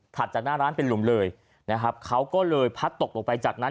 จากหน้าร้านเป็นหลุมเลยนะครับเขาก็เลยพัดตกลงไปจากนั้น